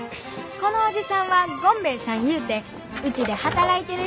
このおじさんはゴンベエさんいうてウチで働いてる人や。